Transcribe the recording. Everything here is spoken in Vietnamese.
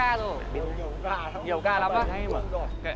ôi tao đi uống cốc nước chè